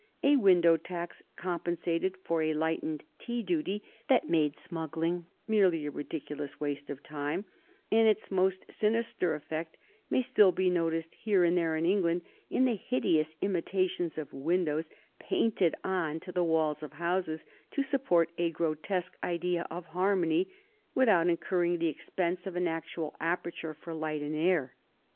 A window tax compensated for a lightened tea duty that made smuggling merely a ridiculous waste of time, and its most sinister effect may still be noticed here and there in England in the hideous imitations of windows painted on to the walls of houses to support a grotesque idea of harmony, without incurring the expense of an actual aperture for light and air.